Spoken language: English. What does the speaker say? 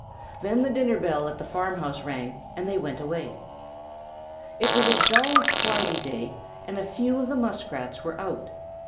Then the dinner bell at the farmhouse rang and, they went away. It was a dull, cloudy day and a few of the Muskrats were out.